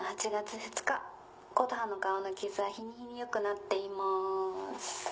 琴葉の顔の傷は日に日に良くなっています。